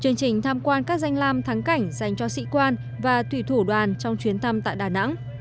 chương trình tham quan các danh lam thắng cảnh dành cho sĩ quan và thủy thủ đoàn trong chuyến thăm tại đà nẵng